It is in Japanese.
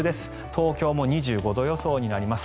東京も２５度予想となります。